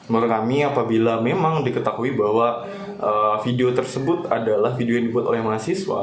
menurut kami apabila memang diketahui bahwa video tersebut adalah video yang dibuat oleh mahasiswa